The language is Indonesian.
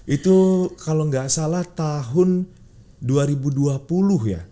itu kalau nggak salah tahun dua ribu dua puluh ya